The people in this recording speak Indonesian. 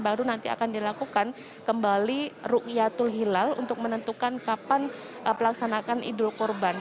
baru nanti akan dilakukan kembali ruqyatul hilal untuk menentukan kapan pelaksanakan idul kurban